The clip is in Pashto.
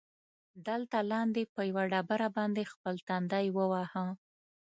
دلته لاندې، په یوه ډبره باندې خپل تندی ووهه.